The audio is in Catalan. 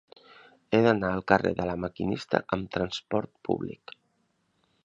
He d'anar al carrer de La Maquinista amb trasport públic.